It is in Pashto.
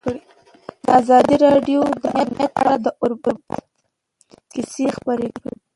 ازادي راډیو د امنیت په اړه د عبرت کیسې خبر کړي.